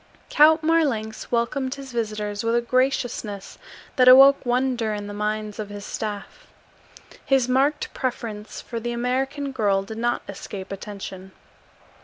Count Marlanx welcomed his visitors with a graciousness that awoke wonder in the minds of his staff. His marked preference for the American girl did not escape attention.